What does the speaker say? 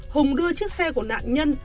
hùng đưa chiếc xe của nạn nhân